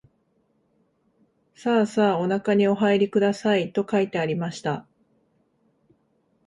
さあさあおなかにおはいりください、と書いてありました